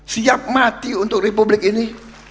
siap mati untuk republik ini